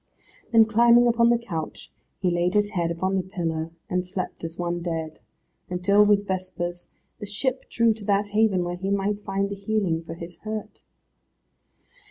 Then climbing upon the couch, he laid his head upon the pillow, and slept as one dead, until, with vespers, the ship drew to that haven where he might find the healing for his hurt.